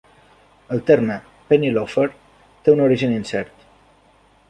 El terme "penny loafer" té un origen incert.